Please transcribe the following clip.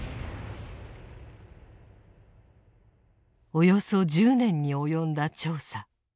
およそ１０年に及んだ調査。